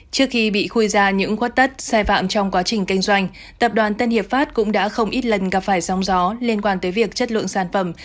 trước khi bị khuy ra những khuất tất sai phạm trong quá trình kinh doanh tập đoàn tân hiệp pháp cũng đã không ít lần gặp phải sóng gió liên quan tới việc chất lượng sản phẩm